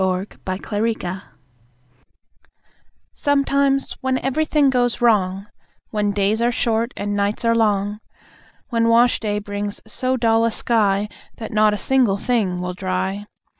In Such an Hour Sometimes, when everything goes wrong: When days are short, and nights are long; When wash day brings so dull a sky That not a single thing will dry.